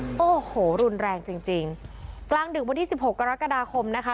โอ้โหรุนแรงจริงจริงกลางดึกวันที่สิบหกกรกฎาคมนะคะ